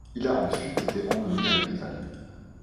Il a ensuite été emmené à l'hôpital.